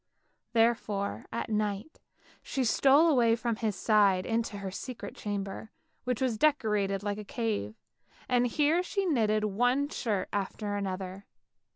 Therefore at night she stole away from his side into her secret chamber, which was decorated like a cave, and here she knitted one shirt after another.